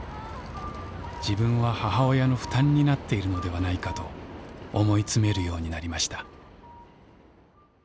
自分は母親の負担になっているのではないかと思い詰めるようになりました。